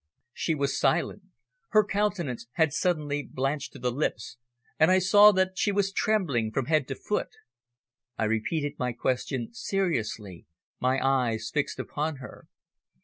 She was silent. Her countenance had suddenly blanched to the lips, and I saw that she was trembling from head to foot. I repeated my question seriously, my eyes fixed upon her.